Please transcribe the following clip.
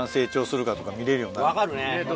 分かるね。